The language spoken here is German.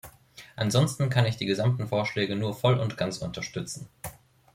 Ansonsten kann ich die gesamten Vorschläge nur voll und ganz unterstützen.